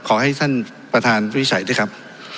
ขอให้ท่านประธานวิจัยด้วยครับ